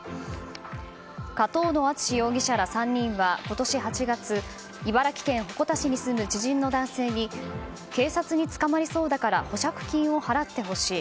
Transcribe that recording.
上遠野篤史容疑者ら３人は今年８月茨城県鉾田市に住む知人の男性に警察に捕まりそうだから保釈金を払ってほしい。